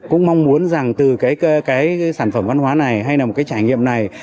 cũng mong muốn rằng từ cái sản phẩm văn hóa này hay là một cái trải nghiệm này